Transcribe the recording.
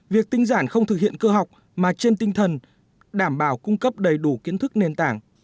việc tinh giản không thực hiện cơ học mà trên tinh thần đảm bảo cung cấp đầy đủ kiến thức nền tảng